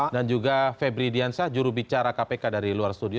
dan juga febri diansah jurubicara kpk dari luar studio